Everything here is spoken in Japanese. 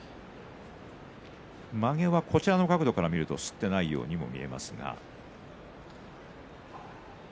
まげは、こちらの角度でしたらすっていないように見えますね。